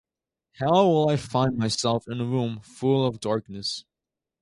How will I find myself in a room full of darkness?